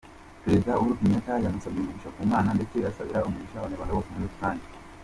Perezida Uhuru Kenyatta yamusabiye umugisha ku Mana ndetse asabira umugisha abanyarwanda bose muri rusange.